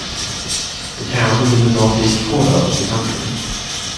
The town is in the northeast quarter of the county.